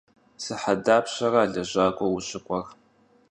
Sıhet dapşera lejak'ue vuşık'uer?